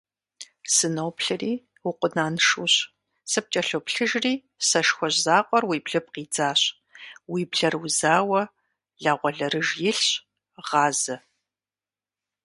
Сыноплъыри укъунаншущ, сыпкӀэлъоплъыжри сэшхуэжь закъуэр уи блыпкъ идзащ, уи блэр узауэ лагъуэлэрыж илъщ, гъазэ.